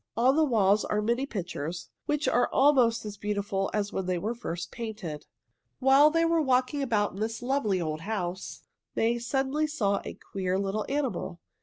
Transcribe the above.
On the walls are many pictures, which are almost as beautiful as when they were first painted. While they were walking about in this lovely old house, May suddenly saw a queer little animal.